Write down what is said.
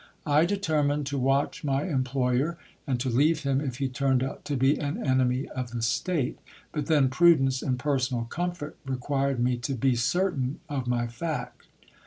I determined to watch my employer, and to leave him if he turned out to be an enemy of the state ; but then prurience and personal comfort required me to be certain of my fact.